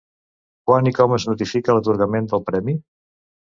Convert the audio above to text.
Quan i com es notifica l'atorgament del Premi?